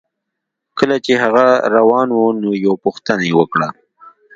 کله چې هغه روان و نو یوه پوښتنه یې وکړه